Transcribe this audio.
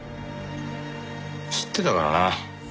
知ってたからな。